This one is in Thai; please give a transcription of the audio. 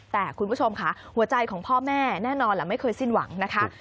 แต่คุณผู้ชมค่ะหัวใจของพ่อแม่แน่นอนแหละไม่เคยสิ้นหวังนะคะ